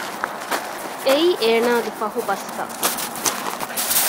އެއީ އޭނާގެ ފަހުބަސްތައް